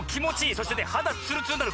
そしてねはだツルツルになる。